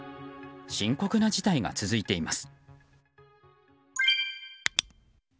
深刻な事態が続いています。